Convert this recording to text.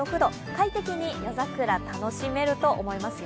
快適に夜桜楽しめると思いますよ。